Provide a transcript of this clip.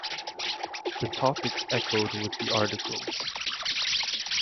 The topics echoed with the articles.